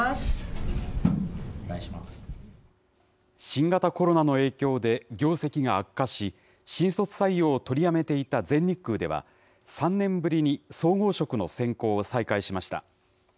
新型コロナの影響で業績が悪化し、新卒採用を取りやめていた全日空では、３年ぶりに総合職の選考を再開しました。